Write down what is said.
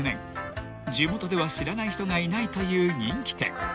［地元では知らない人がいないという人気店］